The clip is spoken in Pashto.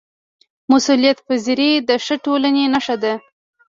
مسؤلیتپذیري د ښه ټولنې نښه ده